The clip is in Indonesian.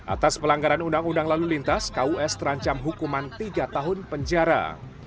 atas pelanggaran undang undang lalu lintas kus terancam hukuman tiga tahun penjara